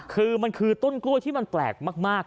คือมันคือต้นกล้วยที่มันแปลกมาก